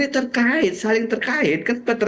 percayalah anda pula